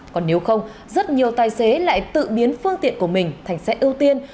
còn nếu không rất nhiều tài xế lại tự biến phương tiện của mình thành xe ưu tiên